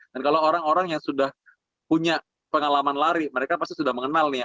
dan kalau orang orang yang sudah punya pengalaman lari mereka pasti sudah mengenal nih